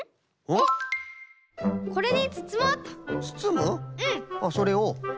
あっそれを？